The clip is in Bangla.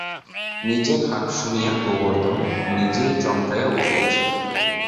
নিজের হাক শুনিয়া গোবর্ধন নিজেই চমকাইয়া উঠিয়াছিল।